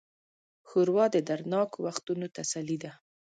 ښوروا د دردناکو وختونو تسلي ده.